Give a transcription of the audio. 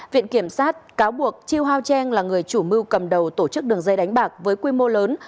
viện kiểm sát cáo buộc chiêu hao trang là người chủ mưu cầm đầu tổ chức đường dây đánh bạc với quy mô lớn